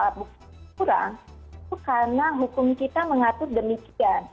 alat bukti itu adalah alat bukti yang kurang karena hukum kita mengatur demikian